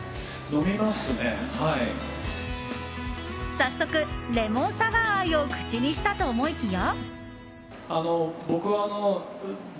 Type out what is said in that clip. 早速、レモンサワー愛を口にしたと思いきや。